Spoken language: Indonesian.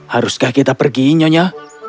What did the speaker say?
haruskah kita pergi nyonya